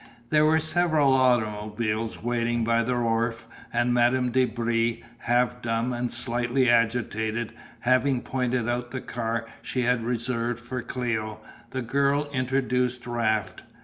There were several automobiles waiting by the wharf and Madame de Brie, half dumb and slightly agitated, having pointed out the car she had reserved for Cléo, the girl introduced Raft.